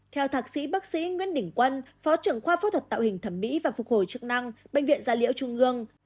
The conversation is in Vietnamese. theo thạc sĩ bác sĩ nguyễn đình quân phó trưởng khoa phẫu thuật tạo hình thẩm mỹ và phục hồi chức năng bệnh viện gia liễu trung ương